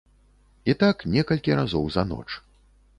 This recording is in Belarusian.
І так некалькі разоў за ноч.